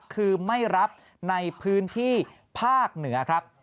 คือไม่รับในพื้นที่ภาคเหนือครับ